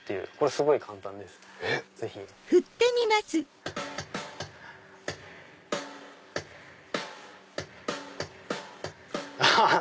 すごい簡単ですぜひ。アハハ！